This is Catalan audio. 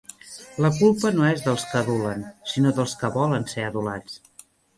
La culpa no es dels que adulen, sinó dels que volen ser adulats.